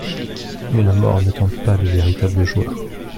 Mais la mort ne tente pas les véritables joueurs.